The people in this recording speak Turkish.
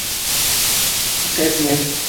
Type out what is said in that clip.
Bu ses ne?